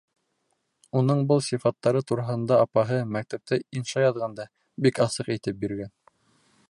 Уның был сифаттары тураһында апаһы, мәктәптә инша яҙғанда, бик асыҡ әйтеп биргән.